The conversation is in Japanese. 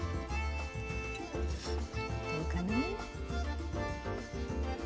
どうかな？